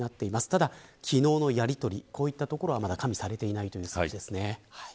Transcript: ただ、昨日のやりとりこういったところはまだ加味されていない数字ですね。